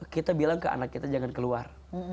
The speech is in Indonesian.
kita bilang ke anak kita jangan keluar